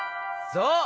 そう！